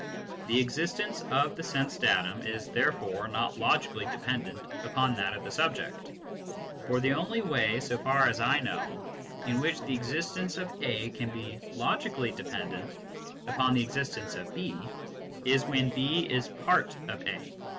The existence of the sense datum is therefore not logically dependent upon that of the subject ; for the only way, so far as I know, in which the existence of A can be logically dependent upon the existence of B is when B is part of A.